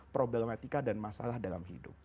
problematika dan masalah dalam hidup